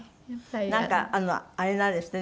なんかあれなんですってね